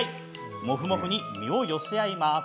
モフモフに身を寄せ合います。